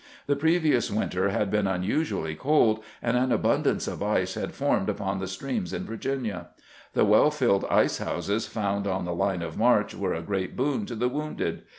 The previous winter had been unusually cold, and an abun dance of ice had formed upon the streams in Virginia. The well filled ice houses found on the line of march were a great boon to the wounded.